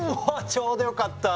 ちょうどよかった！